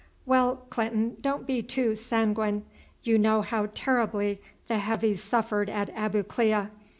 "Well, Clinton, don't be too sanguine. You know how terribly the Heavies suffered at Abu Klea.